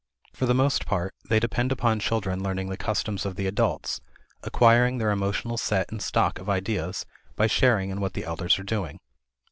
For the most part, they depend upon children learning the customs of the adults, acquiring their emotional set and stock of ideas, by sharing in what the elders are doing.